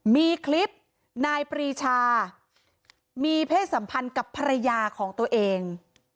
มีคลิปนายปรีชามีเพศสัมพันธ์กับภรรยาของตัวเอง